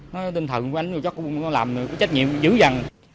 nói tinh thần của anh chắc cũng làm trách nhiệm dữ dằn